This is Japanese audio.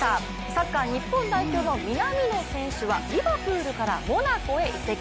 サッカー日本代表の南野選手はリヴァプールからモナコに移籍。